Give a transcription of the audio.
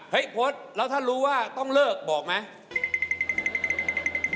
เฮ้ยโพสแล้วถ้ารู้ว่าต้องเลิกบอกไหม